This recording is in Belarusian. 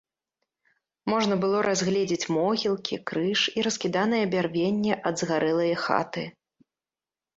Можна было разгледзець могілкі, крыж і раскіданае бярвенне ад згарэлае хаты.